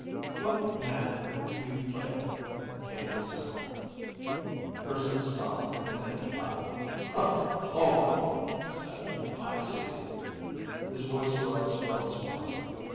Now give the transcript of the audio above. What ... man ... you ... kill ... came the sound. Urson stopped, and then he laughed. "All right," he said. "I see." His voice rose once more.